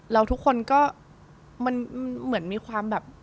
แล้วทุกคนก็มันเหมือนมีความแบบ